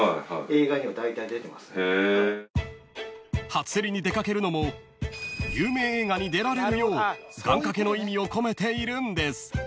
［初競りに出掛けるのも有名映画に出られるよう願掛けの意味を込めているんです］